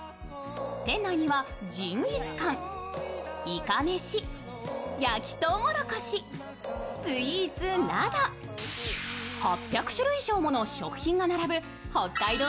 店内には、ジンギスカンいかめし、焼きとうもろこし、スイーツなど、８００種類以上もの食品が並ぶ北海道